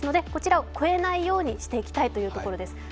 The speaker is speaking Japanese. こちらを超えないようにしていきたいというところです。